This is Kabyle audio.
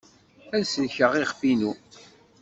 Ad sellkeɣ iɣef-inu.